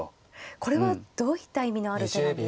これはどういった意味のある手なんですか。